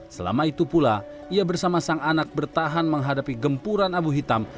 selama itu pula ia bersama sang anak bertahan menghadapi gempuran abu hitam